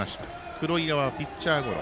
黒岩はピッチャーゴロ。